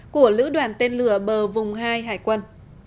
của lữ đoàn tên lửa bờ vùng hai hải quân